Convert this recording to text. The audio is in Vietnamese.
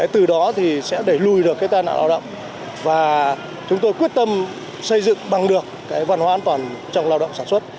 từ đó thì sẽ đẩy lùi được cái tai nạn lao động và chúng tôi quyết tâm xây dựng bằng được cái văn hóa an toàn trong lao động sản xuất